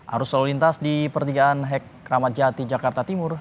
arus lalu lintas di pertigaan hek keramat jati jakarta timur